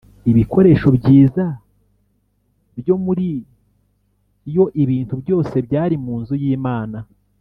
” ibikoresho byiza byo muri yo ibintu byose byari mu nzu y’imana